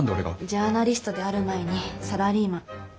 ジャーナリストである前にサラリーマン。